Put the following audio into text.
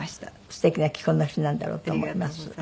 すてきな着こなしなんだろうと思います。